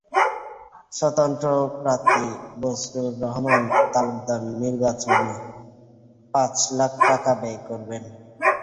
স্বতন্ত্র প্রার্থী বজলুর রহমান তালুকদার নির্বাচনে পাঁচ লাখ টাকা ব্যয় করবেন।